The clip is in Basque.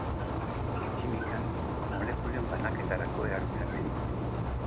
Kimikan, molekulen banaketarako erabiltzen ohi dira.